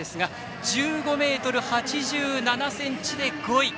１５ｍ８７ｃｍで５位。